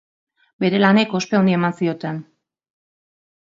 Bere lanek ospe handia eman zioten.